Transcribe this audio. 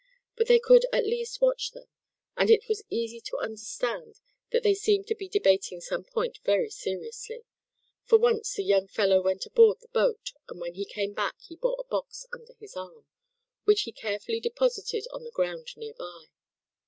But they could at least watch them and it was easy to understand that they seemed to be debating some point very seriously; for once the young fellow went aboard the boat, and when he came back he bore a box under his arm, which he carefully deposited on the ground near by.